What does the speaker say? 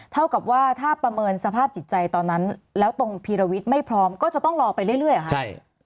เท่ากับว่าถ้าประเมินสภาพจิตใจตอนนั้นแล้วตรงพีรวิทย์ไม่พร้อมก็จะต้องรอไปเรื่อยเหรอคะใช่